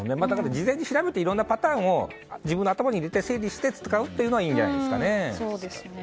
事前に調べていろいろなパターンを自分の頭に入れて整理して使うというのはいいんじゃないですかね。